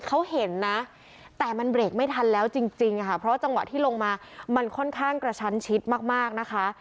เขาเห็นนะแต่มันเบรกไม่ทันแล้วจริงค่ะเพราะจังหวะที่ลงมามันค่อนข้างกระชั้นชิดมากนะคะ